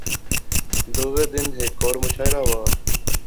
دوہے دن ہیک ہور مشاعرہ واہ